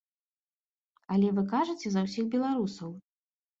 Але вы кажаце за ўсіх беларусаў.